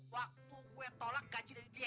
waktu gue tolak gaji dari dia